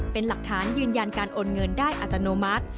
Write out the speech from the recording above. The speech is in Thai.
เป็นหลักฐานยืนยันการโอนเงินได้อัตโนมัติ